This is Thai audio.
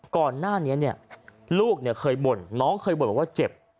ก่อนหน้านี้ลูกเคยบ่นน้องเคยบ่นบอกว่าเจ็บ